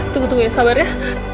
tunggu tunggu ya sabar ya